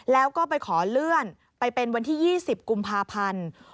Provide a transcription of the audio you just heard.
แล้วก็ไปขอเลื่อนไปเป็นวันที่๒๐กุมภาพันธ์